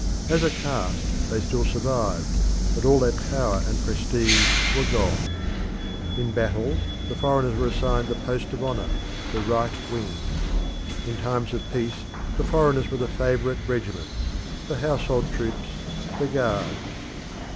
As a caste they still survived, but all their power and prestige were gone. In battle the foreigners were assigned the post of honour the right wing. In times of peace the foreigners were the favourite regiments the household troops, the Guards.